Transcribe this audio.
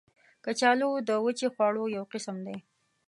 کچالو د وچې خواړو یو قسم دی